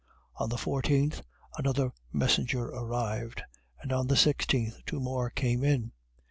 On the fourteenth another messenger arrived, and on the sixteenth two more came in.